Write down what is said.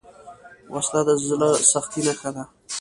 وسله د زړه سختۍ نښه ده